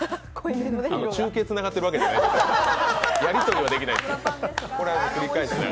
中継つながってるわけじゃないんです。